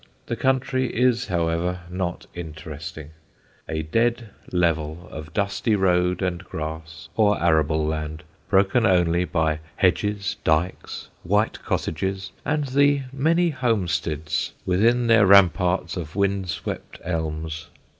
The country is, however, not interesting: a dead level of dusty road and grass or arable land, broken only by hedges, dykes, white cottages, and the many homesteads within their ramparts of wind swept elms.